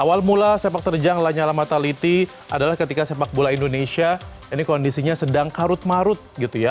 awal mula sepak terjang lanyala mataliti adalah ketika sepak bola indonesia ini kondisinya sedang karut marut gitu ya